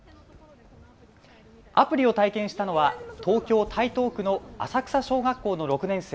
アプリを体験したのは東京台東区の浅草小学校の６年生